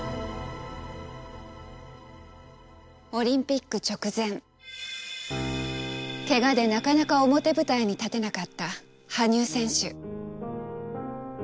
オリンピック直前ケガでなかなか表舞台に立てなかった羽生選手。